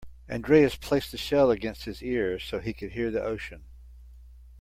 Andreas placed the shell against his ear so he could hear the ocean.